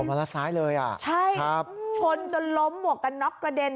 โหโหมอเตอร์ไซค์เลยอะใช่ครับชนจนล้มหัวกระน็อกกระเด็น